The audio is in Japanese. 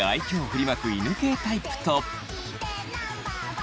振りまく犬系タイプと。